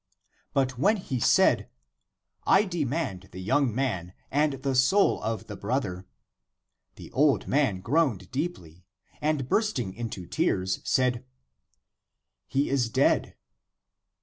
But when he said, " I demand tlie young man, and the soul of the brother," the old man groaned deeply, and bursting into tears, said, " He is dead."